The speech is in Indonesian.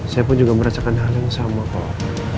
saya pun juga merasakan hal yang sama pak